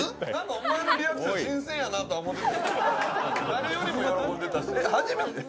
お前のリアクション新鮮やなと思ったわ。